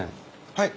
はい。